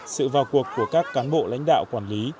sự vào cuộc của các cán bộ lãnh đạo quản lý